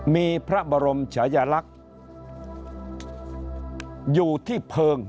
มีพระบรมชายลักษณ์อยู่ที่เพลิง